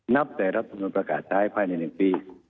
นับแต่รัฐธรรมนุนประกาศท้ายภายใน๑ปี